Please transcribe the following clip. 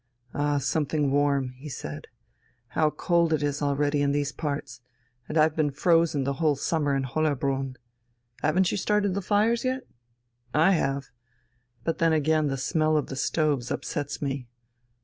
"Ah, something warm," he said. "How cold it is already in these parts! And I've been frozen the whole summer in Hollerbrunn. Haven't you started fires yet? I have. But then again the smell of the stoves upsets me.